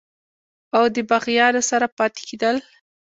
او دَباغيانو سره پاتې کيدل